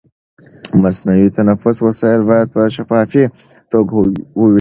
د مصنوعي تنفس وسایل باید په شفافي توګه وویشل شي.